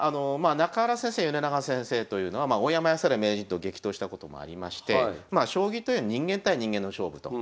中原先生米長先生というのは大山康晴名人と激闘したこともありましてまあ将棋というのは人間対人間の勝負と。